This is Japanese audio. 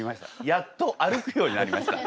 やっと歩くようになりました。